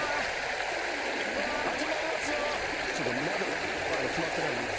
ちょっとまだ決まってないです。